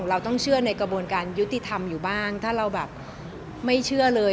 เราต้องเชื่อในกระบวนการยุติธรรมอยู่บ้างถ้าเราแบบไม่เชื่อเลย